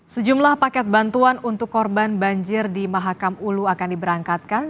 sejumlah paket bantuan untuk korban banjir di mahakam ulu akan diberangkatkan